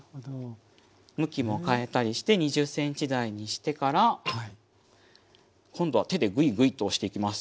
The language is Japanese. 向きも変えたりして２０ｃｍ台にしてから今度は手でグイグイと押していきます。